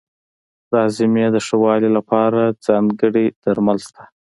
د هاضمې د ښه والي لپاره ځانګړي درمل شته.